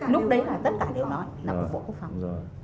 lúc đấy là tất cả đều nói là của bộ quốc phòng